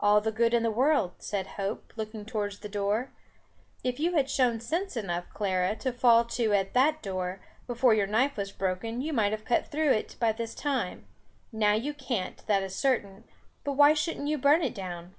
"All the good in the world," said hope, looking towards the door, "if you had shown sense enough, Clara, to fall to at that door, before your knife was broken, you might have cut through it by this time. Now you can't, that is certain; but why shouldn't you burn it down?"